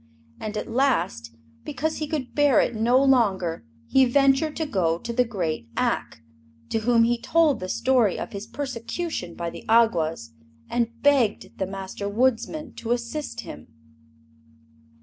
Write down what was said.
And at last, because he could bear it no longer, he ventured to go to the great Ak, to whom he told the story of his persecution by the Awgwas, and begged the Master Woodsman to assist him.